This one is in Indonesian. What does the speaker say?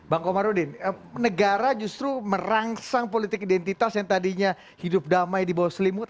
bang komarudin negara justru merangsang politik identitas yang tadinya hidup damai di bawah selimut